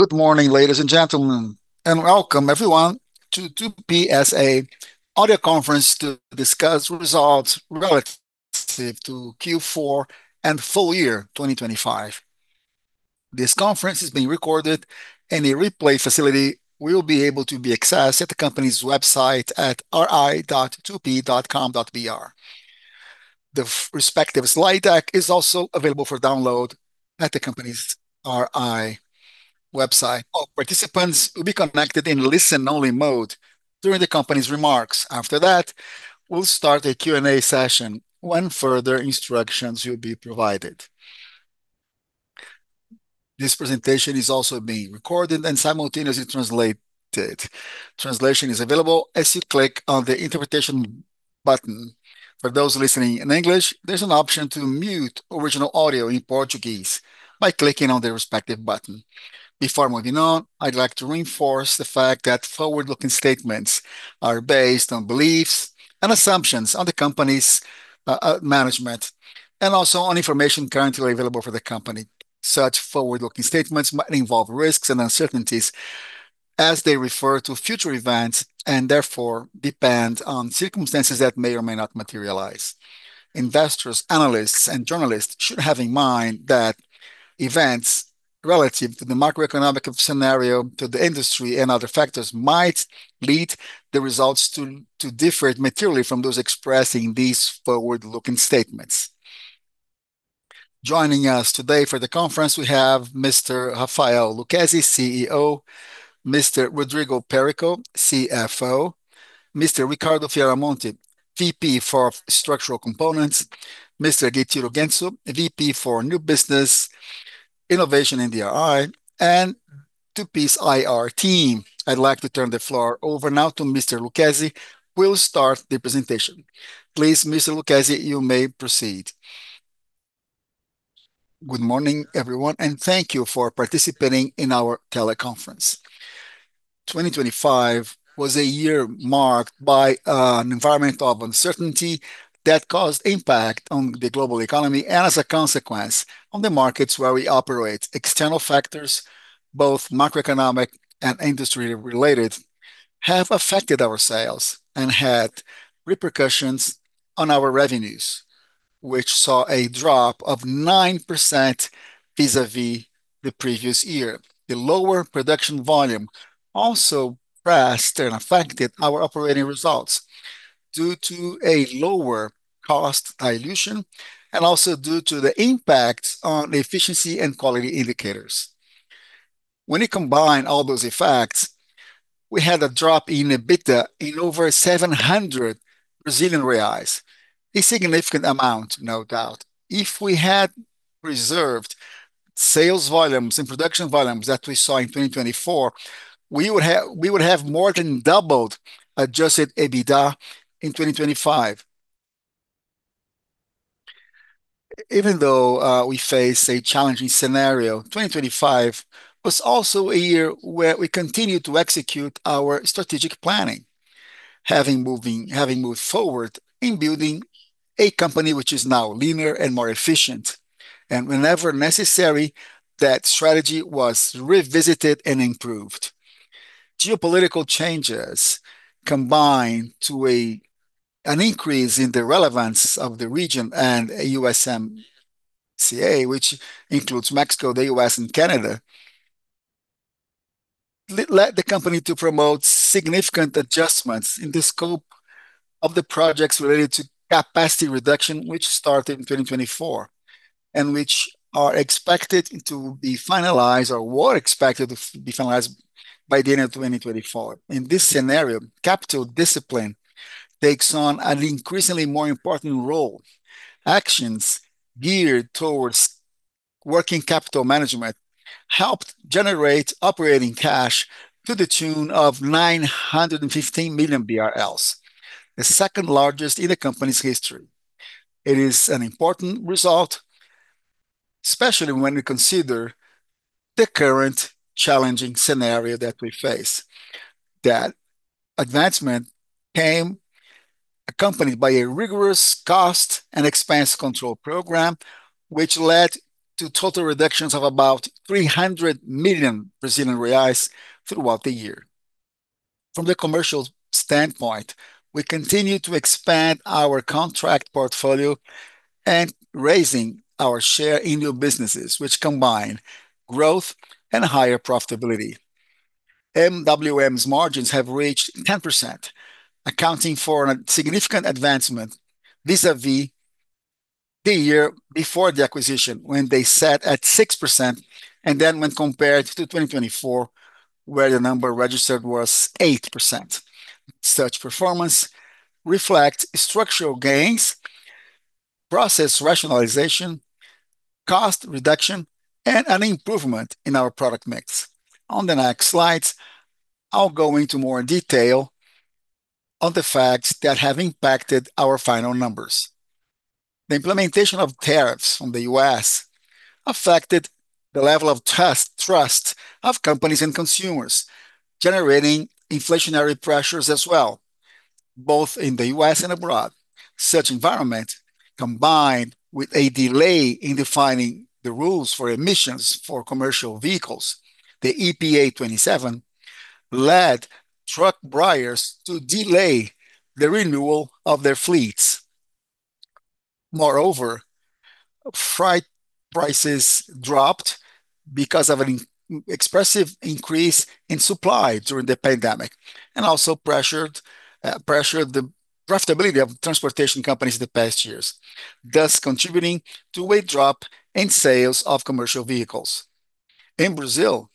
Good morning, ladies and gentlemen, and welcome everyone to Tupy S.A. audio conference to discuss results relative to Q4 and full year 2025. This conference is being recorded and a replay facility will be able to be accessed at the company's website at ri.tupy.com.br. The respective slide deck is also available for download at the company's RI website. All participants will be connected in listen-only mode during the company's remarks. After that, we'll start a Q&A session when further instructions will be provided. This presentation is also being recorded and simultaneously translated. Translation is available as you click on the interpretation button. For those listening in English, there's an option to mute original audio in Portuguese by clicking on the respective button. Before moving on, I'd like to reinforce the fact that forward-looking statements are based on beliefs and assumptions of the company's management and also on information currently available for the company. Such forward-looking statements might involve risks and uncertainties as they refer to future events, and therefore depend on circumstances that may or may not materialize. Investors, analysts and journalists should have in mind that events relative to the macroeconomic scenario to the industry and other factors might lead the results to differ materially from those expressing these forward-looking statements. Joining us today for the conference, we have Mr. Rafael Lucchesi, CEO, Mr. Rodrigo Perico, CFO, Mr. Ricardo Sendim Fioramonte, VP for Structural Components, Mr. Gueitiro Matsuo Genso, VP for New Business Innovation in the RI, and Tupy's IR team. I'd like to turn the floor over now to Mr. Lucchesi who will start the presentation. Please, Mr. Lucchesi, you may proceed. Good morning, everyone, and thank you for participating in our teleconference. 2025 was a year marked by an environment of uncertainty that caused impact on the global economy and as a consequence on the markets where we operate. External factors, both macroeconomic and industry related, have affected our sales and had repercussions on our revenues, which saw a drop of 9% vis-à-vis the previous year. The lower production volume also pressed and affected our operating results due to a lower cost dilution and also due to the impact on the efficiency and quality indicators. When you combine all those effects, we had a drop in EBITDA in over 700 Brazilian reais, a significant amount, no doubt. If we had preserved sales volumes and production volumes that we saw in 2024, we would have more than doubled Adjusted EBITDA in 2025. Even though we face a challenging scenario, 2025 was also a year where we continued to execute our strategic planning, having moved forward in building a company which is now leaner and more efficient. Whenever necessary, that strategy was revisited and improved. Geopolitical changes combined with an increase in the relevance of the region and a USMCA, which includes Mexico, the U.S. and Canada, led the company to promote significant adjustments in the scope of the projects related to capacity reduction, which started in 2024, and which were expected to be finalized by the end of 2024. In this scenario, capital discipline takes on an increasingly more important role. Actions geared towards working capital management helped generate operating cash to the tune of 915 million BRL, the second-largest in the company's history. It is an important result, especially when we consider the current challenging scenario that we face. That advancement came accompanied by a rigorous cost and expense control program, which led to total reductions of about 300 million Brazilian reais throughout the year. From the commercial standpoint, we continue to expand our contract portfolio and raising our share in new businesses which combine growth and higher profitability. MWM's margins have reached 10%, accounting for a significant advancement vis-à-vis the year before the acquisition, when they sat at 6%, and then when compared to 2024, where the number registered was 8%. Such performance reflects structural gains, process rationalization, cost reduction, and an improvement in our product mix. On the next slides, I'll go into more detail of the facts that have impacted our final numbers. The implementation of tariffs from the U.S. affected the level of trust of companies and consumers, generating inflationary pressures as well. Both in the U.S. and abroad, such environment, combined with a delay in defining the rules for emissions for commercial vehicles, the EPA 2027, led truck buyers to delay the renewal of their fleets. Moreover, freight prices dropped because of an excessive increase in supply during the pandemic, and also pressured the profitability of transportation companies in the past years, thus contributing to a drop in sales of commercial vehicles. In Brazil,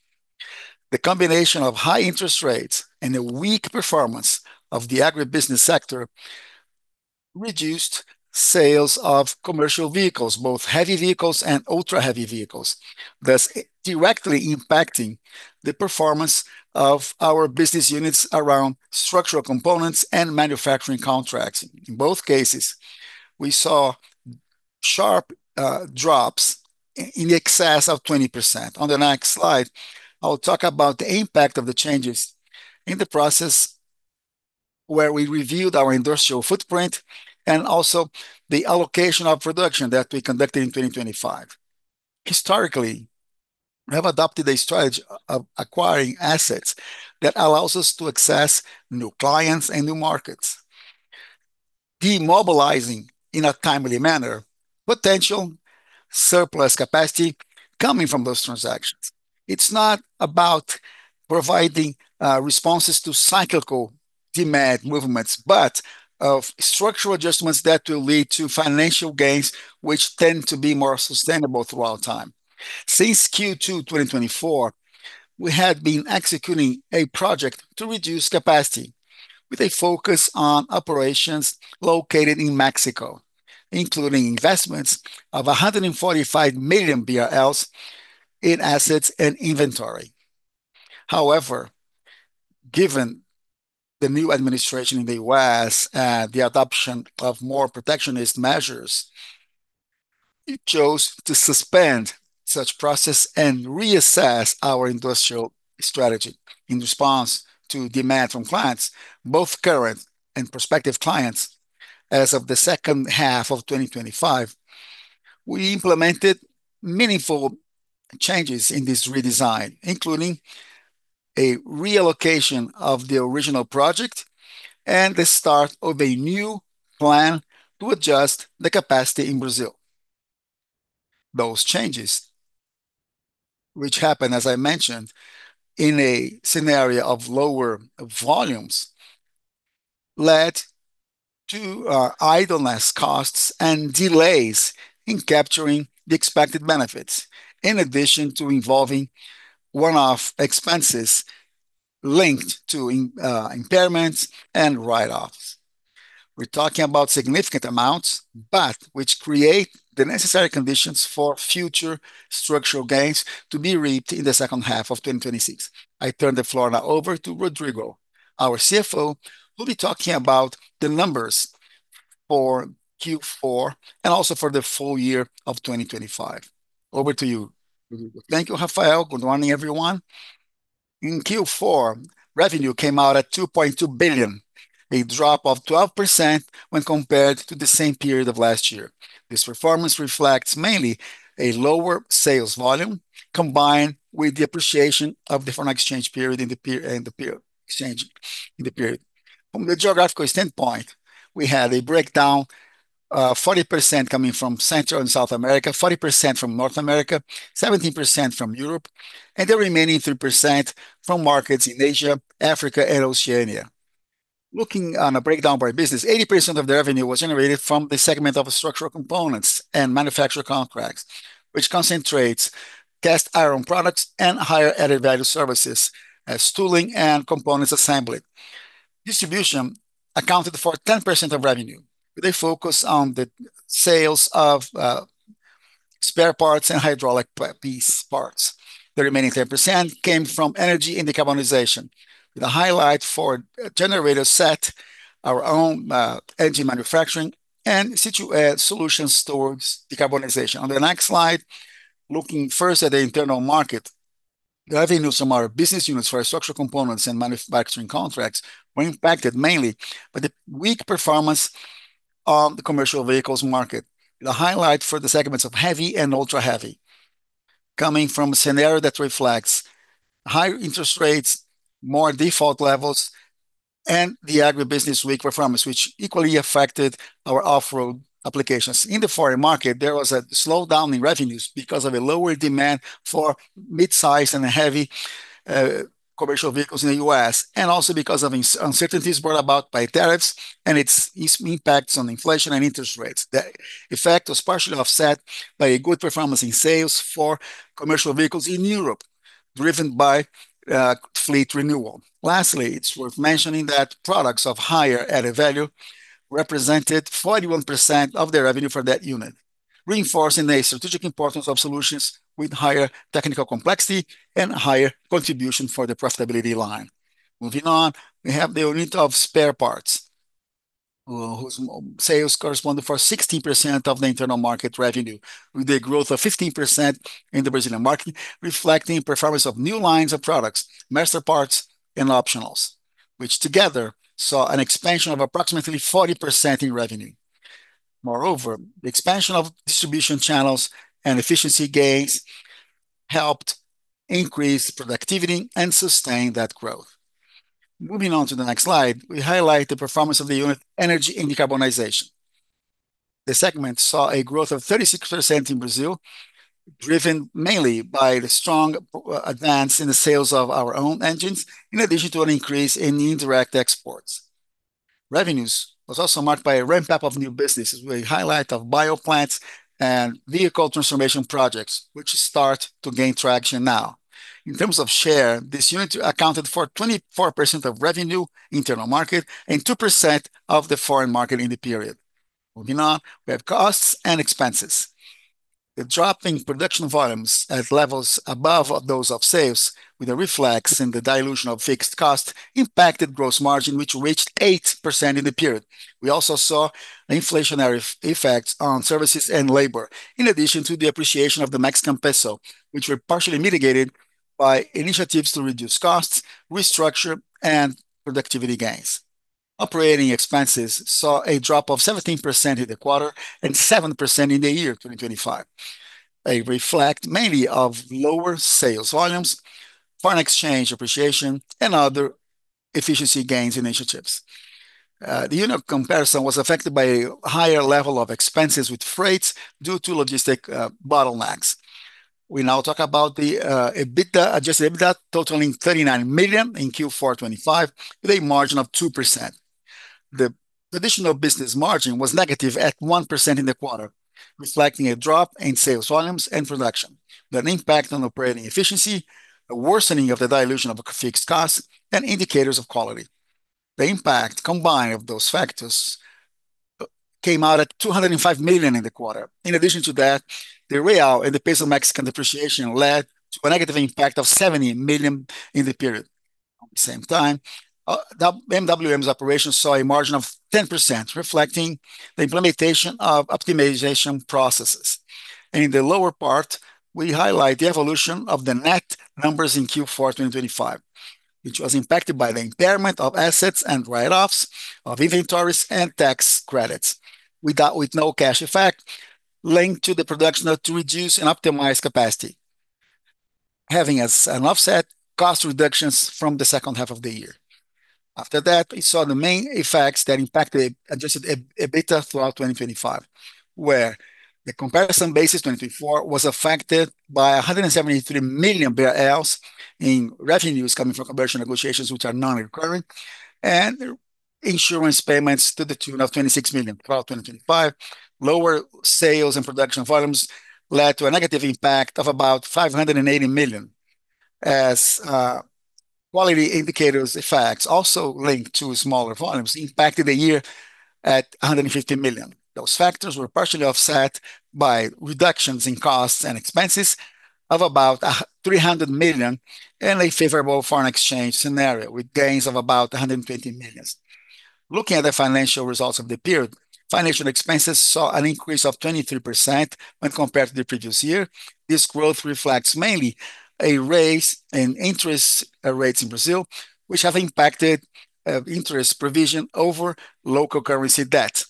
the combination of high interest rates and a weak performance of the agribusiness sector reduced sales of commercial vehicles, both heavy vehicles and ultra-heavy vehicles, thus directly impacting the performance of our business units around structural components and manufacturing contracts. In both cases, we saw sharp drops in excess of 20%. On the next slide, I'll talk about the impact of the changes in the process where we reviewed our industrial footprint and also the allocation of production that we conducted in 2025. Historically, we have adopted a strategy of acquiring assets that allows us to access new clients and new markets, demobilizing, in a timely manner, potential surplus capacity coming from those transactions. It's not about providing responses to cyclical demand movements, but of structural adjustments that will lead to financial gains, which tend to be more sustainable throughout time. Since Q2 2024, we had been executing a project to reduce capacity with a focus on operations located in Mexico, including investments of 145 million BRL in assets and inventory. However, given the new administration in the U.S., the adoption of more protectionist measures, we chose to suspend such process and reassess our industrial strategy in response to demand from clients, both current and prospective clients. As of the second half of 2025, we implemented meaningful changes in this redesign, including a reallocation of the original project and the start of a new plan to adjust the capacity in Brazil. Those changes, which happened, as I mentioned, in a scenario of lower volumes, led to idleness costs and delays in capturing the expected benefits, in addition to involving one-off expenses linked to impairments and write-offs. We're talking about significant amounts, but which create the necessary conditions for future structural gains to be reaped in the second half of 2026. I turn the floor now over to Rodrigo, our CFO, who'll be talking about the numbers for Q4 and also for the full year of 2025. Over to you, Rodrigo. Thank you, Rafael. Good morning, everyone. In Q4, revenue came out at 2.2 billion, a drop of 12% when compared to the same period of last year. This performance reflects mainly a lower sales volume, combined with the appreciation of the foreign exchange in the period. From the geographical standpoint, we had a breakdown, 40% coming from Central and South America, 40% from North America, 17% from Europe, and the remaining 3% from markets in Asia, Africa, and Oceania. Looking at a breakdown by business, 80% of the revenue was generated from the segment of structural components and manufacturing contracts, which concentrates cast iron products and higher added-value services as tooling and components assembly. Distribution accounted for 10% of revenue. With a focus on the sales of spare parts and hydraulic piece parts. The remaining 10% came from energy and decarbonization, with a highlight for generator set, our own engine manufacturing, and in situ solutions towards decarbonization. On the next slide, looking first at the internal market, the revenue from our business units for structural components and manufacturing contracts were impacted mainly by the weak performance of the commercial vehicles market, with a highlight for the segments of heavy and ultra-heavy, coming from a scenario that reflects higher interest rates, more default levels, and the agribusiness weak performance, which equally affected our off-road applications. In the foreign market, there was a slowdown in revenues because of a lower demand for mid-size and heavy commercial vehicles in the U.S., and also because of uncertainties brought about by tariffs and its impacts on inflation and interest rates. That effect was partially offset by a good performance in sales for commercial vehicles in Europe, driven by fleet renewal. Lastly, it's worth mentioning that products of higher added value represented 41% of the revenue for that unit, reinforcing the strategic importance of solutions with higher technical complexity and higher contribution for the profitability line. Moving on, we have the unit of spare parts whose sales corresponded to 60% of the internal market revenue, with a growth of 15% in the Brazilian market, reflecting performance of new lines of products, Master Parts and Optionals, which together saw an expansion of approximately 40% in revenue. Moreover, the expansion of distribution channels and efficiency gains helped increase productivity and sustain that growth. Moving on to the next slide, we highlight the performance of the Energy and Decarbonization unit. The segment saw a growth of 36% in Brazil, driven mainly by the strong advance in the sales of our own engines, in addition to an increase in indirect exports. Revenues was also marked by a ramp-up of new businesses with a highlight of biogas plants and vehicle transformation projects, which start to gain traction now. In terms of share, this unit accounted for 24% of revenue, internal market, and 2% of the foreign market in the period. Moving on, we have costs and expenses. The drop in production volumes at levels above those of sales, with a reflection in the dilution of fixed cost, impacted gross margin, which reached 8% in the period. We also saw inflationary effects on services and labor, in addition to the appreciation of the Mexican peso, which were partially mitigated by initiatives to reduce costs, restructure and productivity gains. Operating expenses saw a drop of 17% in the quarter and 7% in the year 2025. It reflects mainly of lower sales volumes, foreign exchange appreciation and other efficiency gains initiatives. The unit comparison was affected by a higher level of expenses with freights due to logistics bottlenecks. We now talk about the EBITDA, Adjusted EBITDA totaling 39 million in Q4 2025, with a margin of 2%. The traditional business margin was negative at 1% in the quarter, reflecting a drop in sales volumes and production. The impact on operating efficiency, a worsening of the dilution of fixed cost and indicators of quality. The impact combined of those factors came out at 205 million in the quarter. In addition to that, the real and the Mexican peso depreciation led to a negative impact of 70 million in the period. At the same time, MWM's operations saw a margin of 10%, reflecting the implementation of optimization processes. In the lower part, we highlight the evolution of the net numbers in Q4 2025, which was impacted by the impairment of assets and write-offs of inventories and tax credits. We got with no cash effect linked to the production to reduce and optimize capacity, having as an offset cost reductions from the second half of the year. After that, we saw the main effects that impacted Adjusted EBITDA throughout 2025, where the comparison basis, 2024, was affected by 173 million in revenues coming from commercial negotiations, which are non-recurring, and insurance payments to the tune of 26 million throughout 2025. Lower sales and production volumes led to a negative impact of about 580 million. Also, quality indicators effects also linked to smaller volumes impacted the year at 150 million. Those factors were partially offset by reductions in costs and expenses of about three hundred million and a favorable foreign exchange scenario, with gains of about 150 million. Looking at the financial results of the period, financial expenses saw an increase of 23% when compared to the previous year. This growth reflects mainly a raise in interest rates in Brazil, which have impacted interest provision over local currency debt.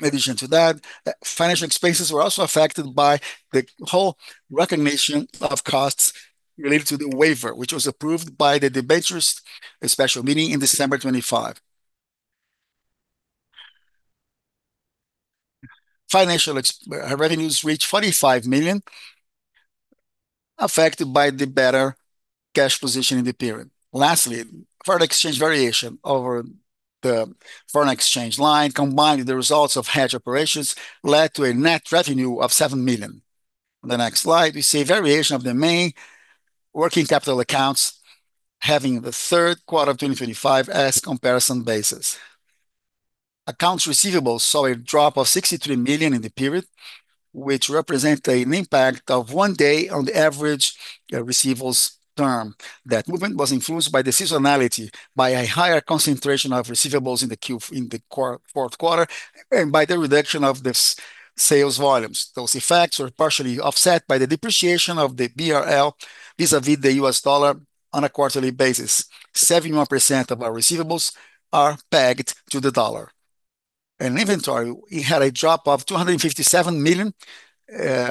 In addition to that, financial expenses were also affected by the whole recognition of costs related to the waiver, which was approved by the debentures special meeting in December 2025. Financial revenues reached 45 million, affected by the better cash position in the period. Lastly, foreign exchange variation over the foreign exchange line, combined the results of hedge operations, led to a net revenue of 7 million. The next slide, we see variation of the main working capital accounts having the third quarter of 2025 as comparison basis. Accounts receivables saw a drop of 63 million in the period, which represent an impact of one day on the average, receivables term. That movement was influenced by the seasonality, by a higher concentration of receivables in the fourth quarter, and by the reduction of the sales volumes. Those effects were partially offset by the depreciation of the BRL vis-à-vis the U.S. dollar on a quarterly basis. 71% of our receivables are pegged to the dollar. In inventory, we had a drop of 257 million,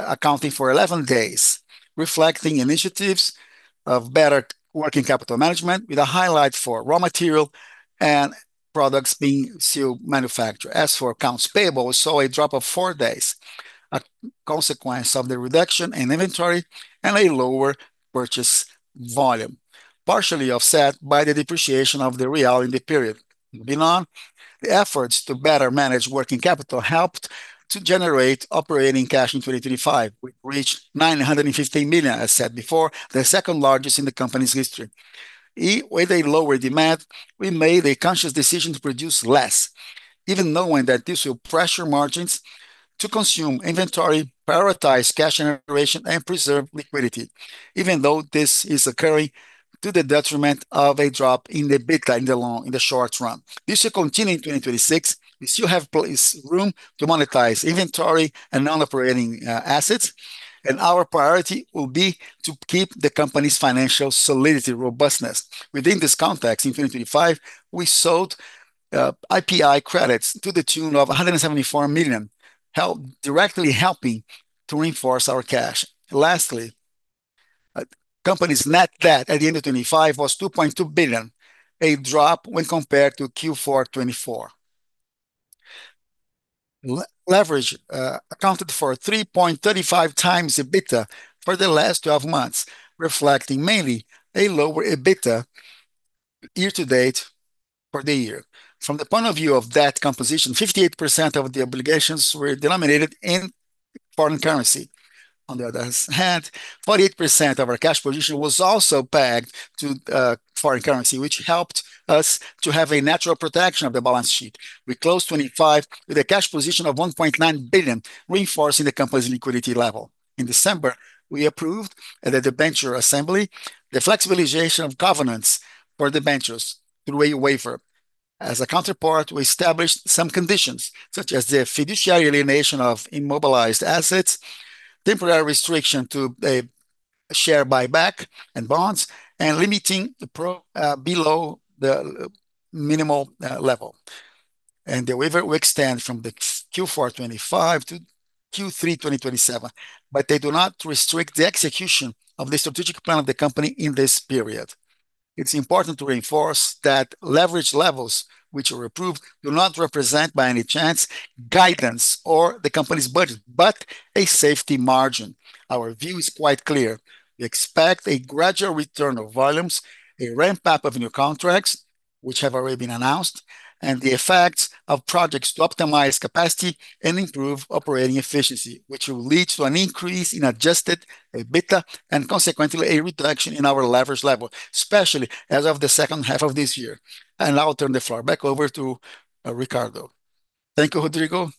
accounting for 11 days, reflecting initiatives of better working capital management with a highlight for raw material and products being still manufactured. As for accounts payable, we saw a drop of four days, a consequence of the reduction in inventory and a lower purchase volume, partially offset by the depreciation of the real in the period. Moving on, the efforts to better manage working capital helped to generate operating cash in 2025. We reached 915 million, as said before, the second-largest in the company's history. With a lower demand, we made a conscious decision to produce less, even knowing that this will pressure margins. To consume inventory, prioritize cash generation, and preserve liquidity, even though this is occurring to the detriment of a drop in the EBITDA in the short run. This will continue in 2026. We still have room to monetize inventory and non-operating assets, and our priority will be to keep the company's financial solidity, robustness. Within this context, in 2025, we sold IPI credits to the tune of 174 million, directly helping to reinforce our cash. Lastly, company's net debt at the end of 2025 was 2.2 billion, a drop when compared to Q4 2024. Leverage accounted for a 3.35 times EBITDA for the last 12 months, reflecting mainly a lower EBITDA year to date for the year. From the point of view of debt composition, 58% of the obligations were denominated in foreign currency. On the other hand, 48% of our cash position was also pegged to foreign currency, which helped us to have a natural protection of the balance sheet. We closed 2025 with a cash position of 1.9 billion, reinforcing the company's liquidity level. In December, we approved at a debenture assembly the flexibilization of governance for debentures through a waiver. As a counterpart, we established some conditions, such as the fiduciary alienation of immobilized assets, temporary restriction to a share buyback and bonds, and limiting below the minimal level. The waiver will extend from the Q4 2025 to Q3 2027, but they do not restrict the execution of the strategic plan of the company in this period. It's important to reinforce that leverage levels which were approved do not represent, by any chance, guidance or the company's budget, but a safety margin. Our view is quite clear. We expect a gradual return of volumes, a ramp-up of new contracts which have already been announced, and the effects of projects to optimize capacity and improve operating efficiency, which will lead to an increase in Adjusted EBITDA, and consequently, a reduction in our leverage level, especially as of the second half of this year. Now I'll turn the floor back over to Ricardo. Thank you, Rodrigo.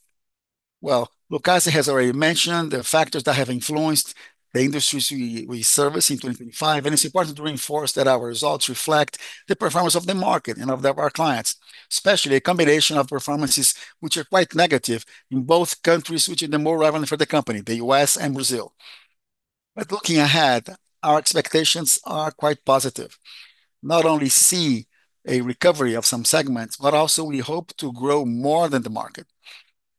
Well, Rafael Lucchesi has already mentioned the factors that have influenced the industries we service in 2025, and it's important to reinforce that our results reflect the performance of the market and of our clients, especially a combination of performances which are quite negative in both countries which are the more relevant for the company, the U.S. and Brazil. Looking ahead, our expectations are quite positive. Not only see a recovery of some segments, but also we hope to grow more than the market.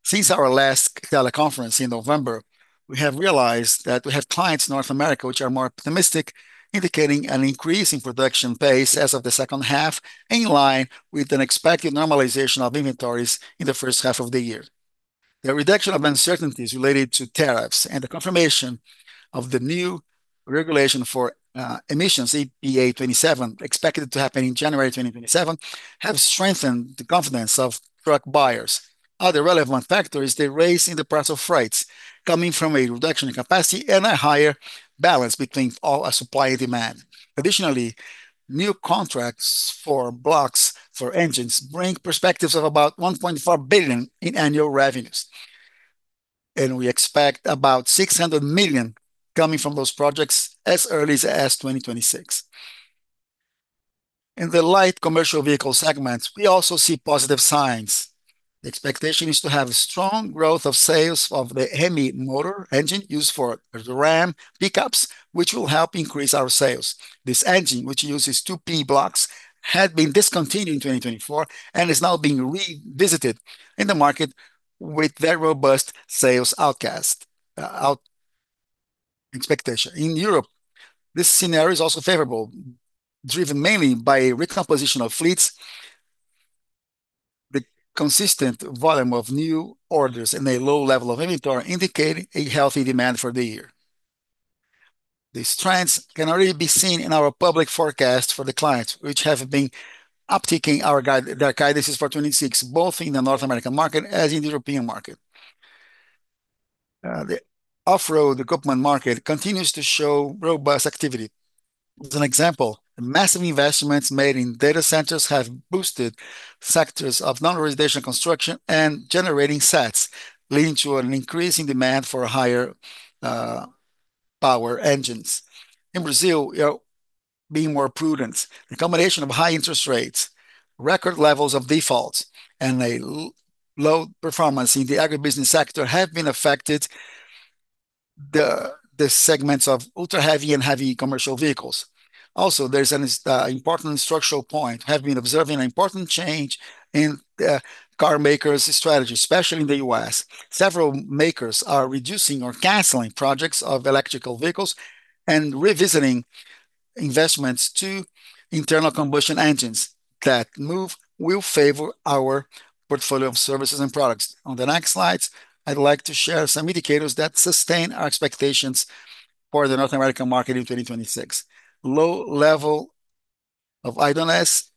Since our last teleconference in November, we have realized that we have clients in North America which are more optimistic, indicating an increase in production pace as of the second half, in line with an expected normalization of inventories in the first half of the year. The reduction of uncertainties related to tariffs and the confirmation of the new regulation for emissions, EPA 2027, expected to happen in January 2027, have strengthened the confidence of truck buyers. Other relevant factors, the raise in the price of freights coming from a reduction in capacity and a higher balance between all supply and demand. Additionally, new contracts for blocks for engines bring perspectives of about 1.4 billion in annual revenues, and we expect about 600 million coming from those projects as early as 2026. In the light commercial vehicle segments, we also see positive signs. The expectation is to have strong growth of sales of the Hemi motor engine used for the Ram pickups, which will help increase our sales. This engine, which uses two pin blocks, had been discontinued in 2024 and is now being revisited in the market with a very robust sales outlook expectation. In Europe, this scenario is also favorable, driven mainly by recomposition of fleets. The consistent volume of new orders and a low level of inventory indicate a healthy demand for the year. These trends can already be seen in our public forecasts for the clients, which have been upticking the guidances for 2026, both in the North American market as in the European market. The off-road equipment market continues to show robust activity. As an example, massive investments made in data centers have boosted sectors of non-residential construction and generating sets, leading to an increasing demand for higher power engines. In Brazil, you know, being more prudent, a combination of high interest rates, record levels of defaults, and a low performance in the agribusiness sector have affected the segments of ultra-heavy and heavy commercial vehicles. Also, there's an important structural point. Have been observing an important change in car makers' strategy, especially in the U.S. Several makers are reducing or canceling projects of electric vehicles and revisiting investments to internal combustion engines. That move will favor our portfolio of services and products. On the next slides, I'd like to share some indicators that sustain our expectations for the North American market in 2026. Low level of idleness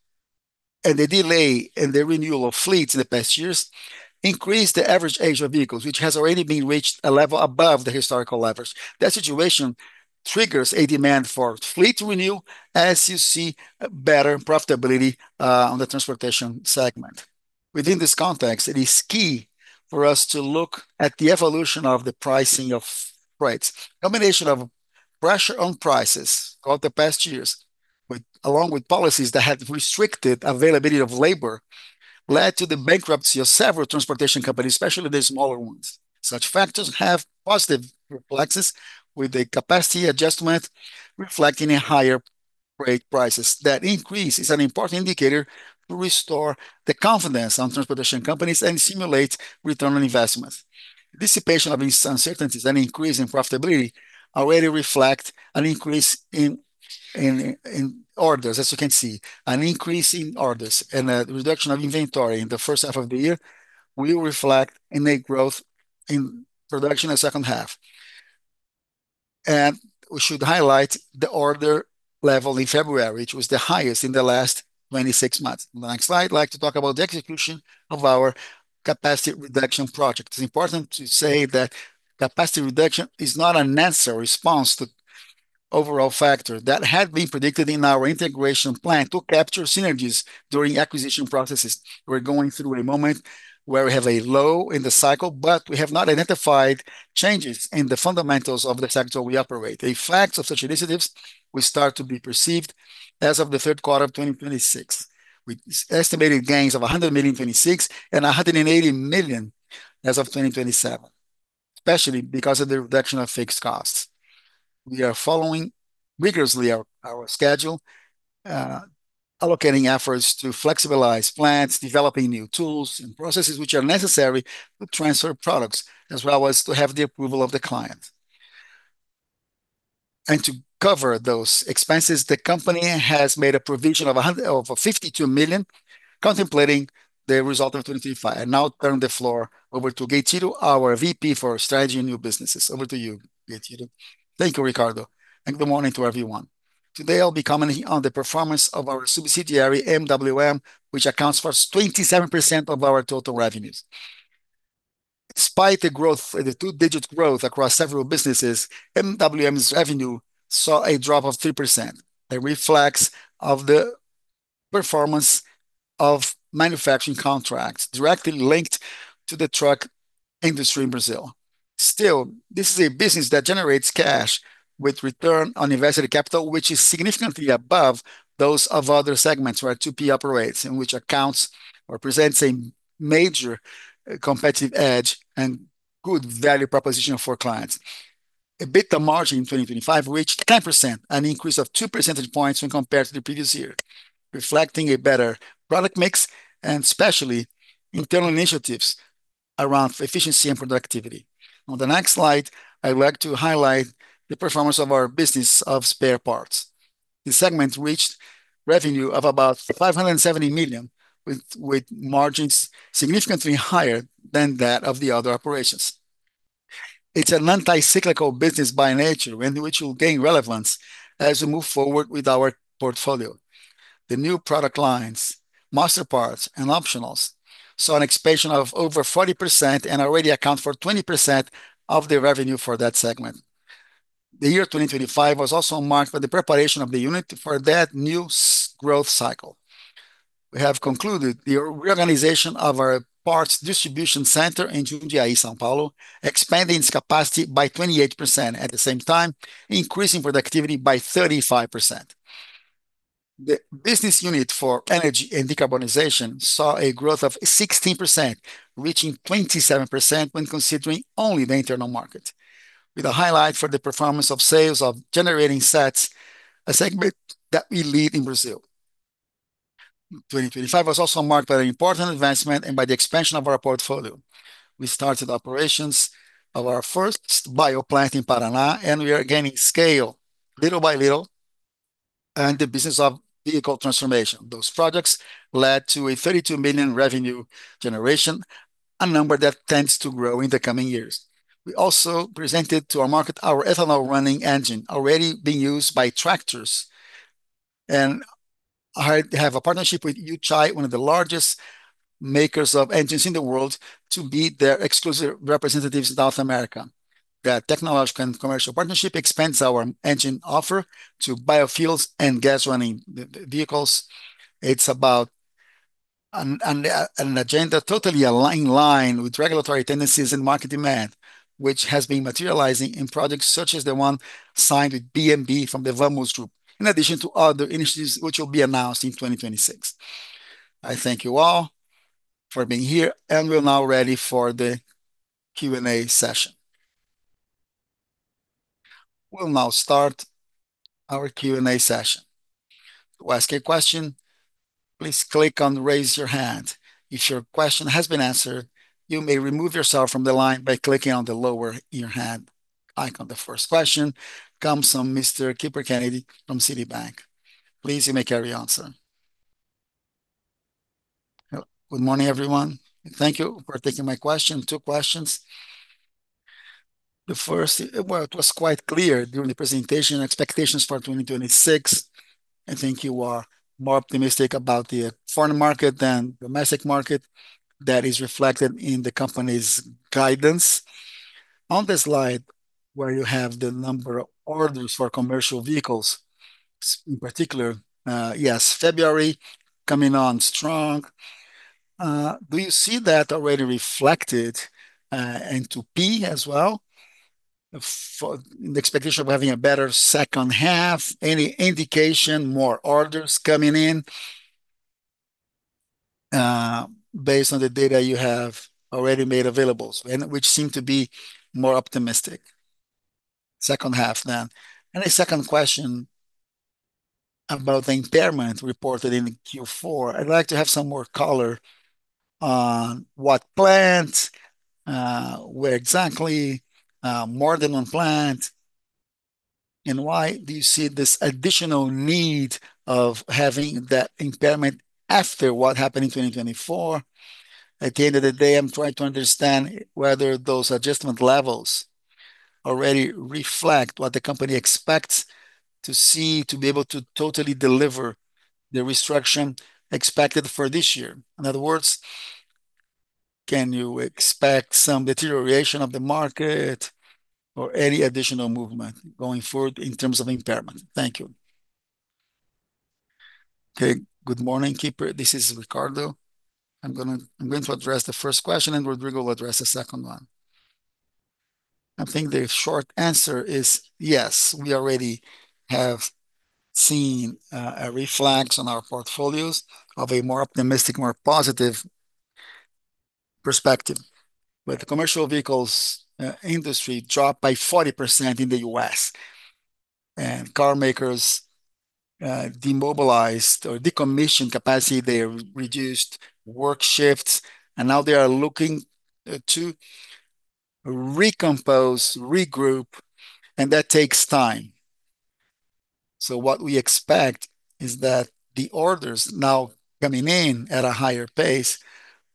and the delay in the renewal of fleets in the past years increased the average age of vehicles, which has already reached a level above the historical levels. That situation triggers a demand for fleet renewal as you see better profitability on the transportation segment. Within this context, it is key for us to look at the evolution of the pricing of rates. Combination of pressure on prices over the past years with policies that had restricted availability of labor led to the bankruptcy of several transportation companies, especially the smaller ones. Such factors have positive reflexes, with the capacity adjustment reflecting in higher rate prices. That increase is an important indicator to restore the confidence on transportation companies and stimulate return on investment. Dissipation of these uncertainties and increase in profitability already reflect an increase in orders, as you can see. An increase in orders and a reduction of inventory in the first half of the year will reflect in a growth in production in the second half. We should highlight the order level in February, which was the highest in the last 26 months. The next slide, I'd like to talk about the execution of our capacity reduction project. It's important to say that capacity reduction is not a necessary response to overall factor. That had been predicted in our integration plan to capture synergies during acquisition processes. We're going through a moment where we have a low in the cycle, but we have not identified changes in the fundamentals of the sector we operate. The effects of such initiatives will start to be perceived as of the third quarter of 2026, with estimated gains of 100 million in 2026 and 180 million as of 2027, especially because of the reduction of fixed costs. We are following rigorously our schedule, allocating efforts to flexibilize plants, developing new tools and processes which are necessary to transfer products, as well as to have the approval of the client. To cover those expenses, the company has made a provision of 52 million, contemplating the result of 2025. I now turn the floor over to Gueitiro, our VP for Strategy and New Businesses. Over to you, Gueitiro. Thank you, Ricardo, and good morning to everyone. Today, I'll be commenting on the performance of our subsidiary, MWM, which accounts for 27% of our total revenues. Despite the two-digit growth across several businesses, MWM's revenue saw a drop of 3%, a reflection of the performance of manufacturing contracts directly linked to the truck industry in Brazil. Still, this is a business that generates cash with return on invested capital, which is significantly above those of other segments where GP operates, and which accounts or presents a major competitive edge and good value proposition for clients. EBITDA margin in 2025 reached 10%, an increase of two percentage points when compared to the previous year, reflecting a better product mix and especially internal initiatives around efficiency and productivity. On the next slide, I would like to highlight the performance of our business of spare parts. The segment reached revenue of about 570 million, with margins significantly higher than that of the other operations. It's an anti-cyclical business by nature and which will gain relevance as we move forward with our portfolio. The new product lines, Master Parts and Optionals, saw an expansion of over 40% and already account for 20% of the revenue for that segment. The year 2025 was also marked by the preparation of the unit for that new growth cycle. We have concluded the reorganization of our parts distribution center in Jundiaí, São Paulo, expanding its capacity by 28%, at the same time, increasing productivity by 35%. The business unit for Energy and Decarbonization saw a growth of 16%, reaching 27% when considering only the internal market, with a highlight for the performance of sales of generating sets, a segment that we lead in Brazil. 2025 was also marked by an important advancement and by the expansion of our portfolio. We started operations of our first biogas plant in Paraná, and we are gaining scale little by little in the business of vehicle transformation. Those projects led to a 32 million revenue generation, a number that tends to grow in the coming years. We also presented to our market our ethanol-running engine, already being used by tractors. I have a partnership with Yuchai, one of the largest makers of engines in the world, to be their exclusive representatives in South America. The technological and commercial partnership expands our engine offer to biofuels and gas-running vehicles. It's about an agenda totally in line with regulatory tendencies and market demand, which has been materializing in projects such as the one signed with BNB from the Vamuze Group, in addition to other initiatives which will be announced in 2026. I thank you all for being here, and we're now ready for the Q&A session. We'll now start our Q&A session. To ask a question, please click on Raise Your Hand. If your question has been answered, you may remove yourself from the line by clicking on the Lower Your Hand icon. The first question comes from Mr. Kiepher Kennedy from Citibank. Please, you may carry on, sir. Good morning, everyone. Thank you for taking my question. two questions. The first, well, it was quite clear during the presentation, expectations for 2026, I think you are more optimistic about the foreign market than domestic market. That is reflected in the company's guidance. On the slide where you have the number of orders for commercial vehicles, in particular, yes, February coming on strong. Do you see that already reflected into P&L as well for the expectation of having a better second half? Any indication, more orders coming in, based on the data you have already made available and which seem to be more optimistic second half than. A second question about the impairment reported in the Q4. I'd like to have some more color on what plants, where exactly, more than one plant. Why do you see this additional need of having that impairment after what happened in 2024? At the end of the day, I'm trying to understand whether those adjustment levels already reflect what the company expects to see to be able to totally deliver the guidance expected for this year. In other words, can you expect some deterioration of the market or any additional movement going forward in terms of impairment? Thank you. Okay. Good morning, Keeper. This is Ricardo. I'm going to address the first question and Rodrigo will address the second one. I think the short answer is yes. We already have seen a reflex on our portfolios of a more optimistic, more positive perspective. The commercial vehicles industry dropped by 40% in the U.S., and car makers demobilized or decommissioned capacity. They reduced work shifts, and now they are looking to recompose, regroup, and that takes time. What we expect is that the orders now coming in at a higher pace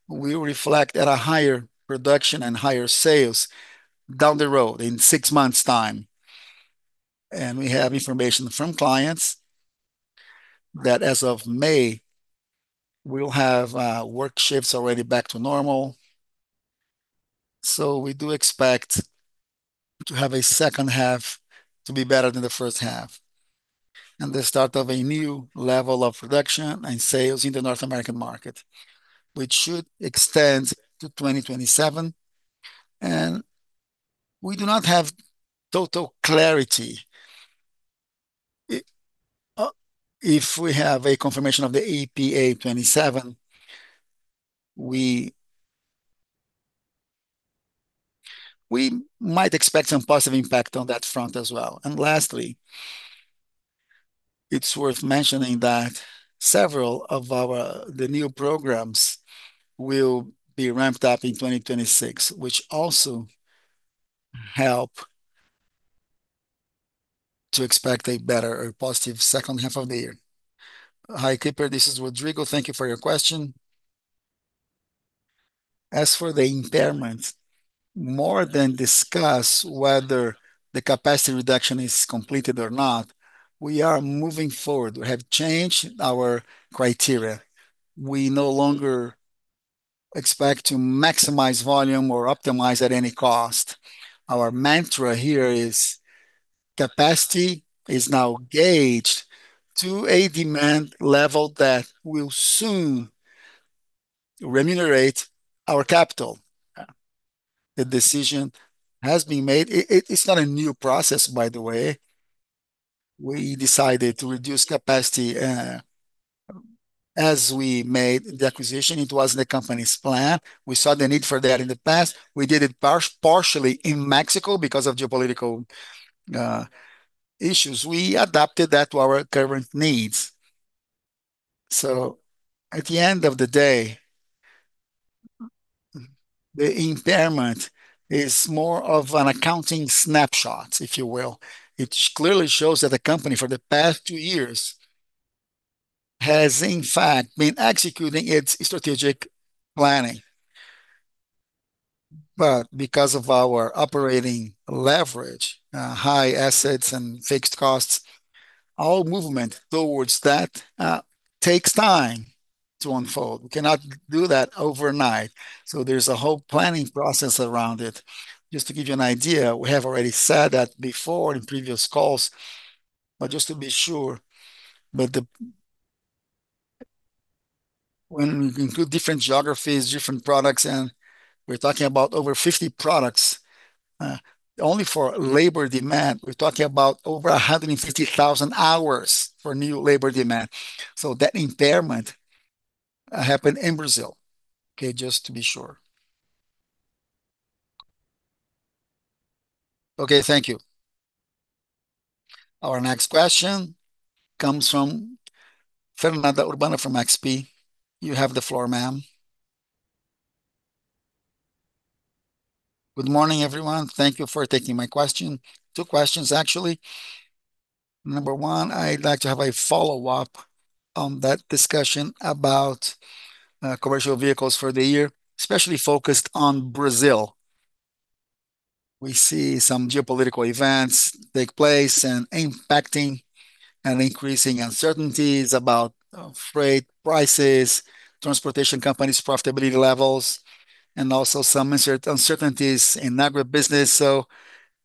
will reflect at a higher production and higher sales down the road in six months' time. We have information from clients that as of May, we'll have work shifts already back to normal. We do expect to have a second half to be better than the first half, and the start of a new level of production and sales in the North American market, which should extend to 2027. We do not have total clarity. If we have a confirmation of the EPA 2027, we might expect some positive impact on that front as well. Lastly, it's worth mentioning that several of the new programs will be ramped up in 2026 which also help to expect a better or positive second half of the year. Hi, Keeper. This is Rodrigo. Thank you for your question. As for the impairment, more than discuss whether the capacity reduction is completed or not, we are moving forward. We have changed our criteria. We no longer expect to maximize volume or optimize at any cost. Our mantra here is capacity is now gauged to a demand level that will soon remunerate our capital. The decision has been made. It's not a new process by the way. We decided to reduce capacity as we made the acquisition. It was the company's plan. We saw the need for that in the past. We did it partially in Mexico because of geopolitical issues. We adapted that to our current needs. At the end of the day, the impairment is more of an accounting snapshot, if you will, which clearly shows that the company for the past two years has in fact been executing its strategic planning. Because of our operating leverage, high assets and fixed costs, our movement towards that takes time to unfold. We cannot do that overnight, so there's a whole planning process around it. Just to give you an idea, we have already said that before in previous calls, but just to be sure. When we include different geographies, different products, and we're talking about over 50 products, only for labor demand, we're talking about over 150,000 hours for new labor demand. So that impairment happened in Brazil. Okay. Just to be sure. Okay. Thank you. Our next question comes from Fernanda Urbano from XP. You have the floor, ma'am. Good morning, everyone. Thank you for taking my question. Two questions actually. Number one, I'd like to have a follow-up on that discussion about commercial vehicles for the year, especially focused on Brazil. We see some geopolitical events take place and impacting and increasing uncertainties about freight prices, transportation companies' profitability levels. Also some uncertainties in agribusiness.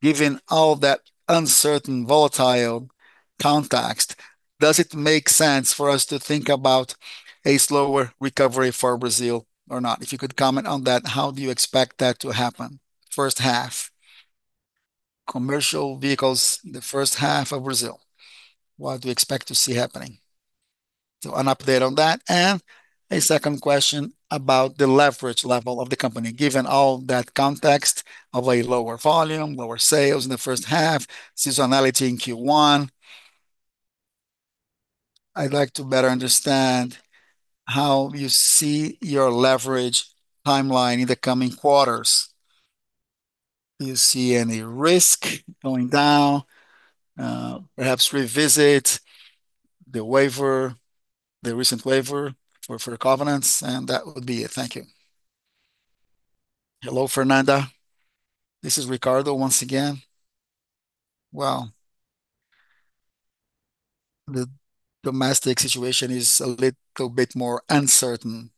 Given all that uncertain, volatile context, does it make sense for us to think about a slower recovery for Brazil or not? If you could comment on that, how do you expect that to happen first half? Commercial vehicles, the first half of Brazil, what do you expect to see happening? An update on that. A second question about the leverage level of the company. Given all that context of a lower volume, lower sales in the first half, seasonality in Q1, I'd like to better understand how you see your leverage timeline in the coming quarters. Do you see any risk going down? Perhaps revisit the waiver, the recent waiver for covenants, and that would be it. Thank you. Hello, Fernanda. This is Ricardo once again. Well, the domestic situation is a little bit more uncertain.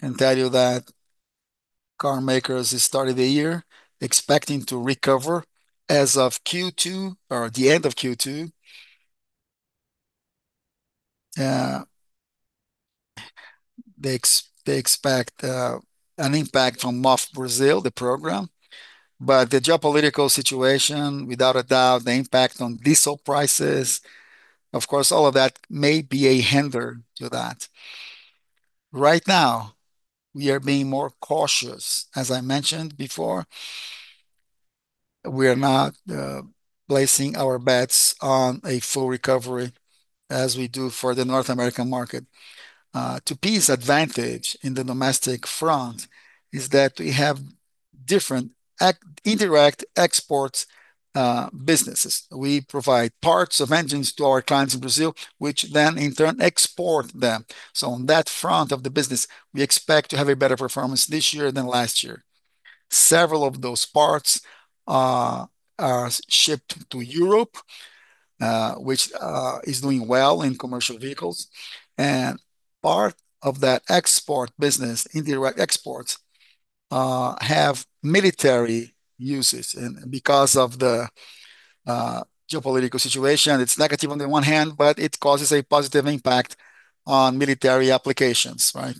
I can tell you that car makers have started the year expecting to recover as of Q2 or the end of Q2. They expect an impact from MOVER Brasil, the program. The geopolitical situation, without a doubt, the impact on diesel prices, of course, all of that may be a hindrance to that. Right now, we are being more cautious, as I mentioned before. We are not placing our bets on a full recovery as we do for the North American market. The key advantage in the domestic front is that we have different indirect exports businesses. We provide parts of engines to our clients in Brazil, which then in turn export them. On that front of the business, we expect to have a better performance this year than last year. Several of those parts are shipped to Europe, which is doing well in commercial vehicles, and part of that export business, indirect exports, have military uses and because of the geopolitical situation. It's negative on the one hand, but it causes a positive impact on military applications, right.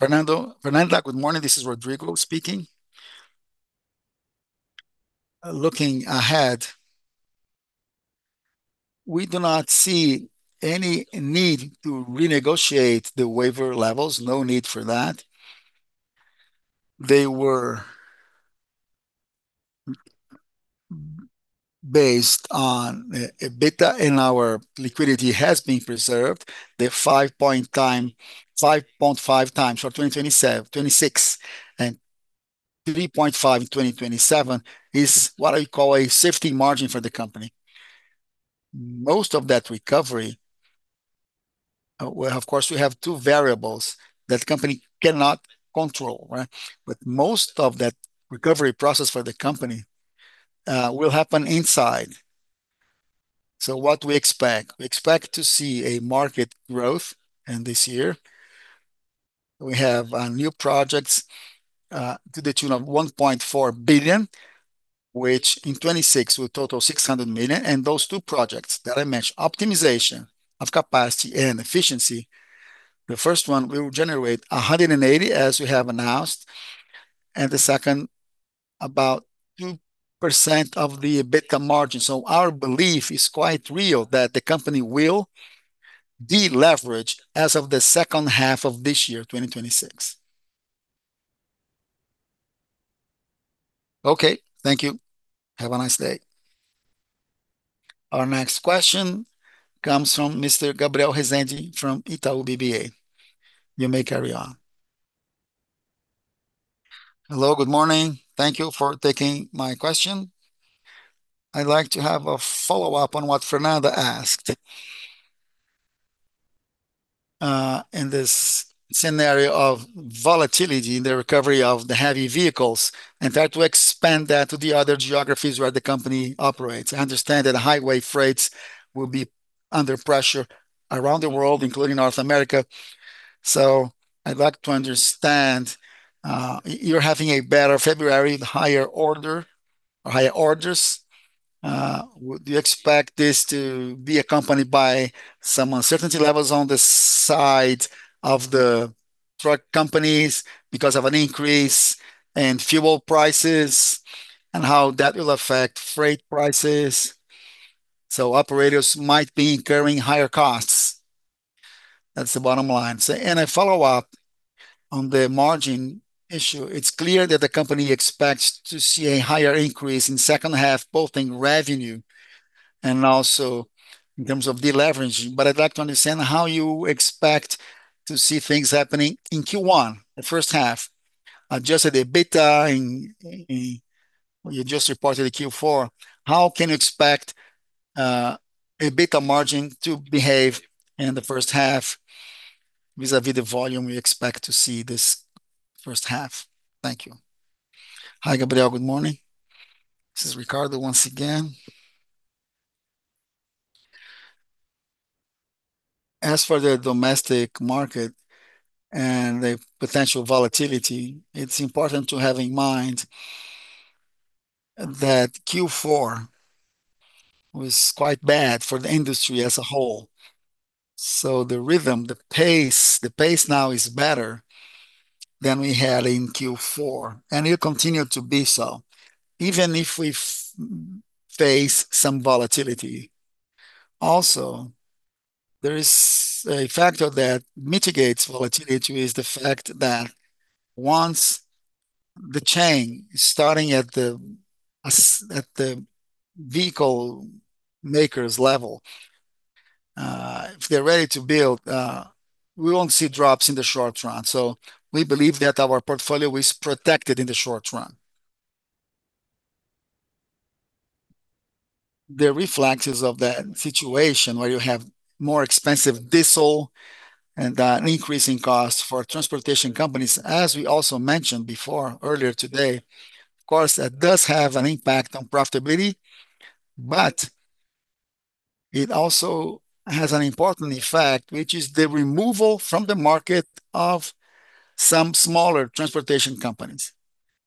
Fernanda, good morning. This is Rodrigo speaking. Looking ahead, we do not see any need to renegotiate the waiver levels. No need for that. They were based on EBITDA and our liquidity has been preserved. The 5.5 times for 2026 and 3.5 in 2027 is what I call a safety margin for the company. Most of that recovery process for the company will happen inside. What we expect? We expect to see a market growth in this year. We have new projects to the tune of 1.4 billion, which in 2026 will total 600 million. Those two projects that I mentioned, optimization of capacity and efficiency, the first one will generate 180 million, as we have announced, and the second, about 2% of the EBITDA margin. Our belief is quite real that the company will deleverage as of the second half of this year, 2026. Okay. Thank you. Have a nice day. Our next question comes from Mr. Gabriel Rezende from Itaú BBA. You may carry on. Hello. Good morning. Thank you for taking my question. I'd like to have a follow-up on what Fernanda asked. In this scenario of volatility in the recovery of the heavy vehicles, try to expand that to the other geographies where the company operates. I understand that highway freights will be under pressure around the world, including North America. I'd like to understand, you're having a better February, the higher order or higher orders. Would you expect this to be accompanied by some uncertainty levels on the side of the truck companies because of an increase in fuel prices, and how that will affect freight prices, so operators might be incurring higher costs? That's the bottom line. A follow-up on the margin issue. It's clear that the company expects to see a higher increase in second half, both in revenue and also in terms of deleveraging. I'd like to understand how you expect to see things happening in Q1, the first half. Adjusted EBITDA in Q4 you just reported. How can you expect EBITDA margin to behave in the first half vis-à-vis the volume you expect to see this first half? Thank you. Hi, Gabriel. Good morning. This is Ricardo once again. As for the domestic market and the potential volatility, it's important to have in mind that Q4 was quite bad for the industry as a whole. The rhythm, the pace now is better than we had in Q4, and it'll continue to be so even if we face some volatility. Also, there is a factor that mitigates volatility is the fact that once the chain starting at the vehicle maker's level, if they're ready to build, we won't see drops in the short run. We believe that our portfolio is protected in the short run. The reflexes of that situation where you have more expensive diesel and an increase in cost for transportation companies, as we also mentioned before earlier today, of course, that does have an impact on profitability, but it also has an important effect, which is the removal from the market of some smaller transportation companies,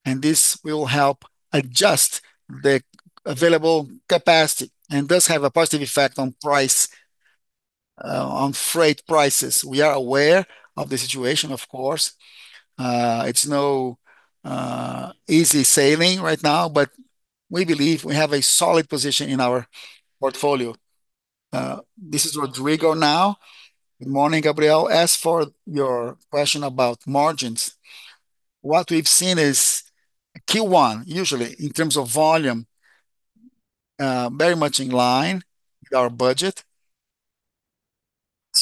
and this will help adjust the available capacity and does have a positive effect on price, on freight prices. We are aware of the situation, of course. It's no easy sailing right now, but we believe we have a solid position in our portfolio. This is Rodrigo now. Good morning, Gabriel. As for your question about margins, what we've seen is Q1 usually in terms of volume, very much in line with our budget.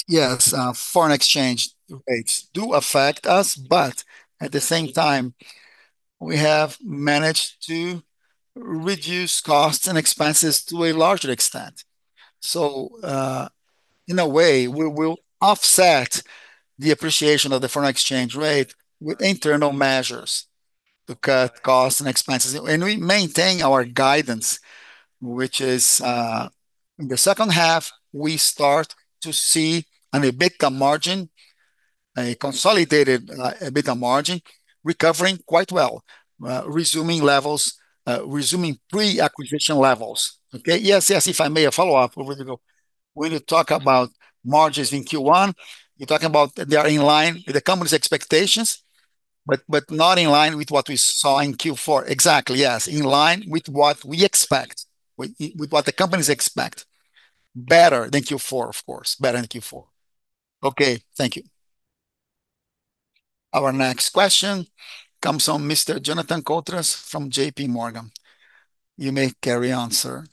Yes, foreign exchange rates do affect us, but at the same time, we have managed to reduce costs and expenses to a larger extent. In a way we will offset the appreciation of the foreign exchange rate with internal measures to cut costs and expenses. We maintain our guidance, which is, in the second half, we start to see an EBITDA margin, a consolidated, EBITDA margin recovering quite well, resuming levels, resuming pre-acquisition levels. Okay? Yes. Yes. If I may, a follow-up, Rodrigo. When you talk about margins in Q1, you're talking about they are in line with the company's expectations, but not in line with what we saw in Q4. Exactly, yes. In line with what we expect, with what the companies expect. Better than Q4, of course. Better than Q4. Okay. Thank you. Our next question comes from Mr. Jonathan Komp from Baird. You may carry on, sir.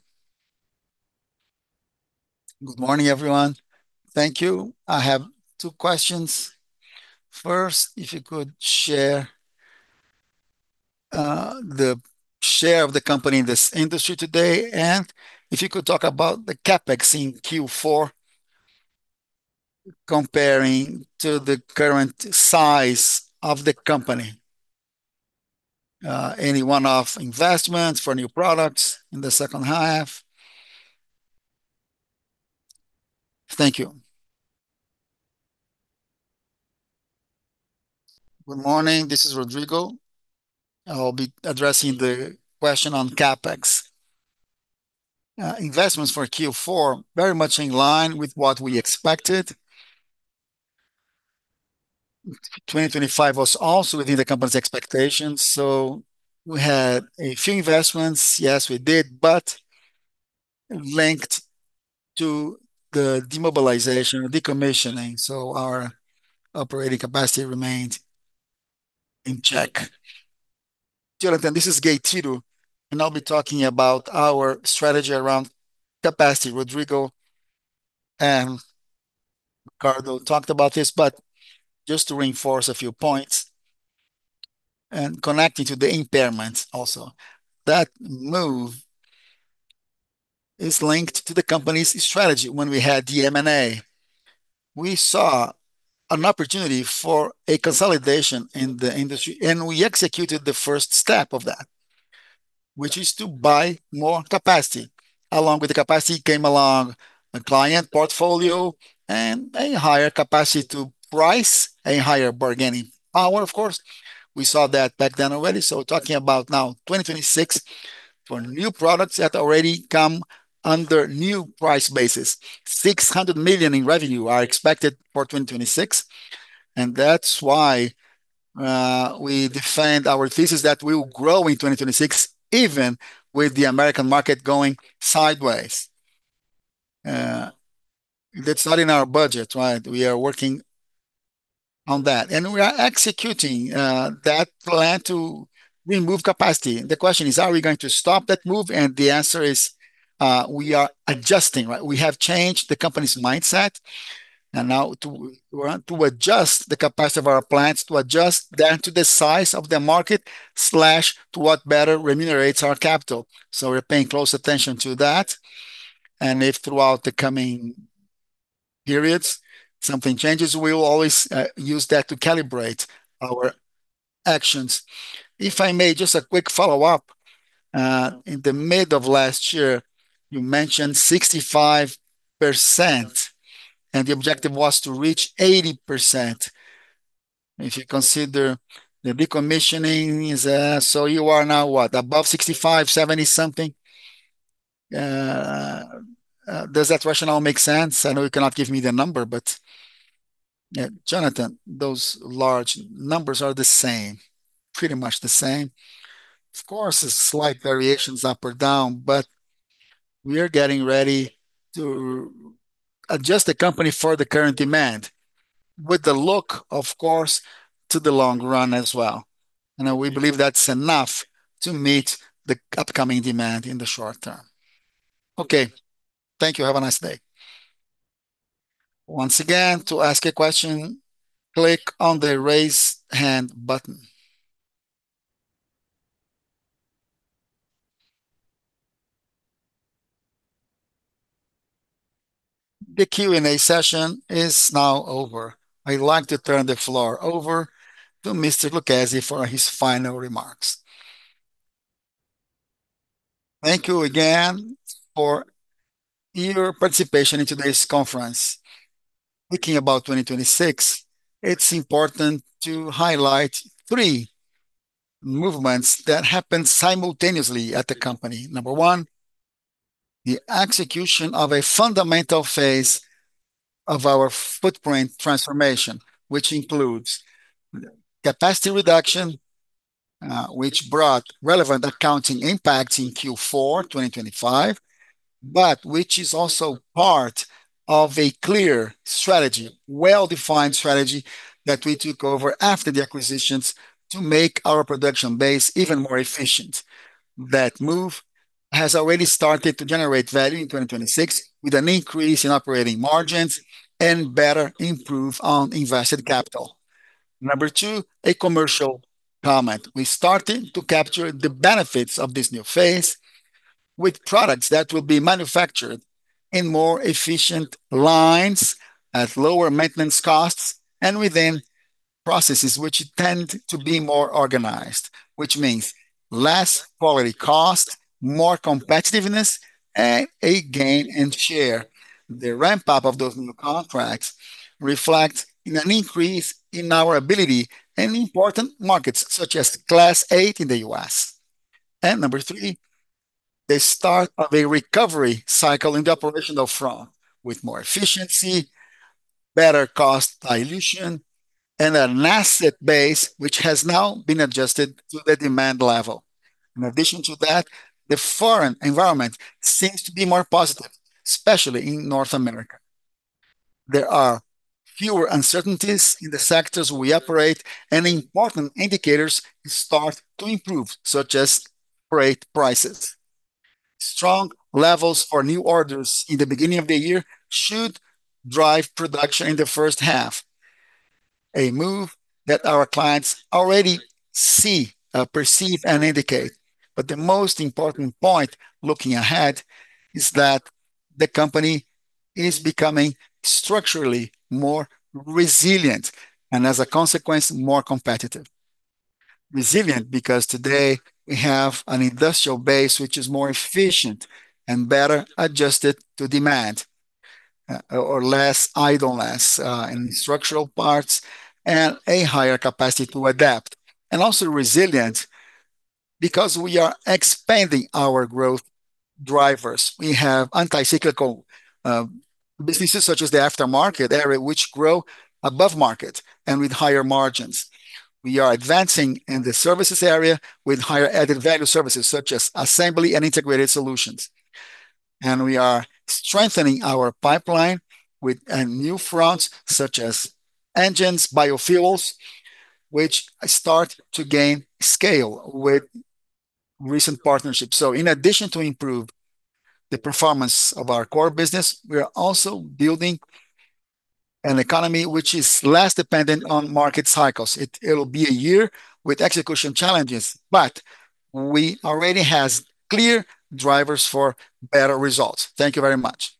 Good morning, everyone. Thank you. I have two questions. First, if you could share the share of the company in this industry today, and if you could talk about the CapEx in Q4 comparing to the current size of the company. Any one-off investments for new products in the second half? Thank you. Good morning. This is Rodrigo. I'll be addressing the question on CapEx. Investments for Q4 very much in line with what we expected. 2025 was also within the company's expectations, so we had a few investments. Yes, we did, but linked to the demobilization or decommissioning, so our operating capacity remained in check. Jonathan, this is Gueitiro, and I'll be talking about our strategy around capacity. Rodrigo and Ricardo talked about this, but just to reinforce a few points and connecting to the impairments also. That move is linked to the company's strategy. When we had the M&A, we saw an opportunity for a consolidation in the industry, and we executed the first step of that, which is to buy more capacity. Along with the capacity came along a client portfolio and a higher capacity to price, a higher bargaining power. Of course, we saw that back then already. Talking about now 2026 for new products that already come under new price basis, 600 million in revenue are expected for 2026, and that's why we defined our thesis that we will grow in 2026 even with the American market going sideways. That's not in our budget, right? We are working on that. We are executing that plan to remove capacity. The question is, are we going to stop that move? The answer is, we are adjusting, right? We have changed the company's mindset and now to adjust the capacity of our plants, to adjust them to the size of the market to what better remunerates our capital. We're paying close attention to that. If throughout the coming periods, something changes, we will always use that to calibrate our actions. If I may, just a quick follow-up. In the mid of last year, you mentioned 65% and the objective was to reach 80%. If you consider the decommissioning is, so you are now what, above 65, 70 something? Does that rationale make sense? I know you cannot give me the number, but. Yeah, Jonathan, those large numbers are the same, pretty much the same. Of course, there's slight variations up or down, but we are getting ready to adjust the company for the current demand with the look, of course, to the long run as well. You know, we believe that's enough to meet the upcoming demand in the short term. Okay. Thank you. Have a nice day. Once again, to ask a question, click on the Raise Hand button. The Q&A session is now over. I'd like to turn the floor over to Mr. Lucchesi for his final remarks. Thank you again for your participation in today's conference. Thinking about 2026, it's important to highlight three movements that happened simultaneously at the company. Number one, the execution of a fundamental phase of our footprint transformation, which includes capacity reduction, which brought relevant accounting impact in Q4 2025, but which is also part of a clear strategy, well-defined strategy that we took over after the acquisitions to make our production base even more efficient. That move has already started to generate value in 2026 with an increase in operating margins and better improve on invested capital. Number two, a commercial comment. We're starting to capture the benefits of this new phase with products that will be manufactured in more efficient lines, at lower maintenance costs, and within processes which tend to be more organized, which means less quality cost, more competitiveness, and a gain in share. The ramp-up of those new contracts reflect in an increase in our ability in important markets such as Class 8 in the U.S. Number three, the start of a recovery cycle in the operational front with more efficiency, better cost dilution, and an asset base which has now been adjusted to the demand level. In addition to that, the foreign environment seems to be more positive, especially in North America. There are fewer uncertainties in the sectors we operate and important indicators start to improve, such as freight prices. Strong levels or new orders in the beginning of the year should drive production in the first half, a move that our clients already see, perceive and indicate. The most important point looking ahead is that the company is becoming structurally more resilient and as a consequence, more competitive. Resilient because today we have an industrial base which is more efficient and better adjusted to demand, or less idle mass in structural parts, and a higher capacity to adapt. Also resilient because we are expanding our growth drivers. We have anti-cyclical, businesses such as the aftermarket area, which grow above market and with higher margins. We are advancing in the services area with higher added value services such as assembly and integrated solutions, and we are strengthening our pipeline with new fronts such as engines, biofuels, which start to gain scale with recent partnerships. In addition to improve the performance of our core business, we are also building an economy which is less dependent on market cycles. It'll be a year with execution challenges, but we already has clear drivers for better results. Thank you very much.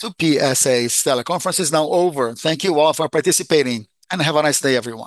The PSA's teleconference is now over. Thank you all for participating and have a nice day, everyone.